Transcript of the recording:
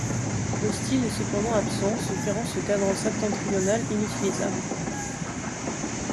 Le style est cependant absent, ce qui rend ce cadran septentrionale inutilisable.